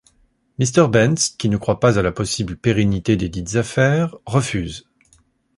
Mr Bentz, qui ne croit pas à la possible pérennité desdites affaires, refuse.